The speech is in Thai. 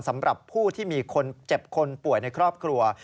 สำหรับผู้ที่มีคนเจ็บคนป่วยในครอบครัว